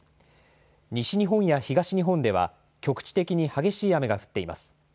西日本や東日本では、局地的に激しい雨が降っています。